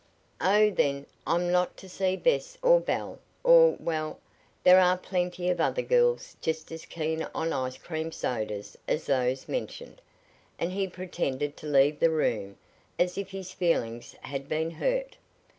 "Oh, then I'm not to see Bess or Belle or well, there are plenty of other girls just as keen on ice cream sodas as those mentioned," and he pretended to leave the room, as if his feelings had been hurt.